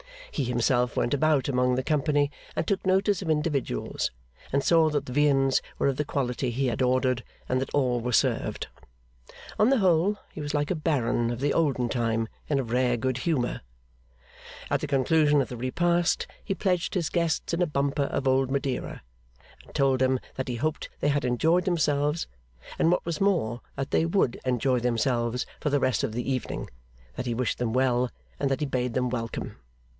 He himself went about among the company, and took notice of individuals, and saw that the viands were of the quality he had ordered, and that all were served. On the whole, he was like a baron of the olden time in a rare good humour. At the conclusion of the repast, he pledged his guests in a bumper of old Madeira; and told them that he hoped they had enjoyed themselves, and what was more, that they would enjoy themselves for the rest of the evening; that he wished them well; and that he bade them welcome.